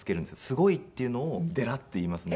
「すごい」っていうのを「でら」って言いますね。